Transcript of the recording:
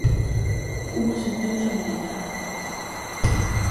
Unha sentenza meditada.